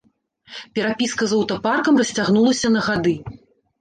Перапіска з аўтапаркам расцягнулася на гады.